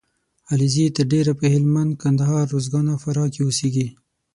علیزي تر ډېره په هلمند ، کندهار . روزګان او فراه کې اوسېږي